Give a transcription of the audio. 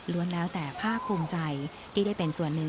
แล้วแต่ภาคภูมิใจที่ได้เป็นส่วนหนึ่ง